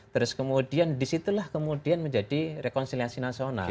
terus kemudian disitulah kemudian menjadi rekonsiliasi nasional